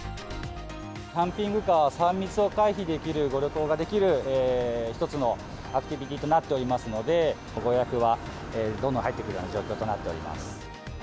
キャンピングカーは、３密を回避できるご旅行ができる、一つのアクティビティーとなっておりますので、ご予約はどんどん入ってくるような状況となっております。